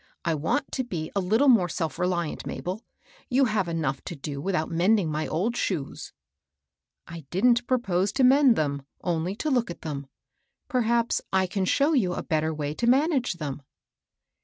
I want to be a little more self reliant, Mabel. You have enough to do without mending my old shoes." I didn't propose to mend thena, only to look at them. Perhaps I can show you a better way to manage them."